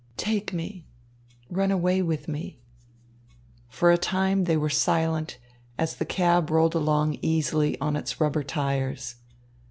"Take me! Run away with me!" For a time they were silent as the cab rolled along easily on its rubber tires.